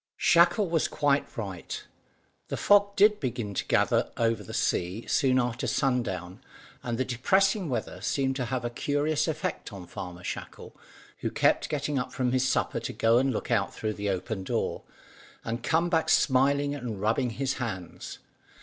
Shackle was quite right; the fog did begin to gather over the sea soon after sundown, and the depressing weather seemed to have a curious effect on Farmer Shackle, who kept getting up from his supper to go and look out through the open door, and come back smiling and rubbing his hands.